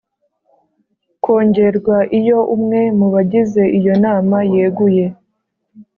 kongerwa Iyo umwe mubagize iyo nama yeguye